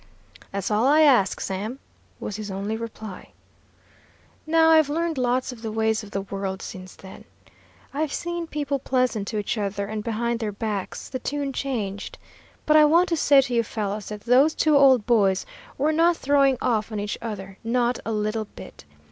"'That's all I ask, Sam,' was his only reply. Now I've learned lots of the ways of the world since then. I've seen people pleasant to each other, and behind their backs the tune changed. But I want to say to you fellows that those two old boys were not throwing off on each other not a little bit.